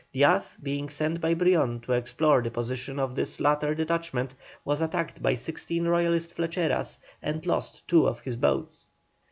Diaz being sent by Brion to explore the position of this latter detachment, was attacked by sixteen Royalist flecheras, and lost two of his boats.